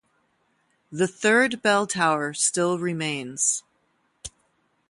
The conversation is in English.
The third bell tower still remains.